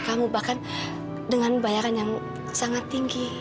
kamu bahkan dengan bayaran yang sangat tinggi